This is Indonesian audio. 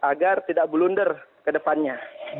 agar tidak blunder ke depannya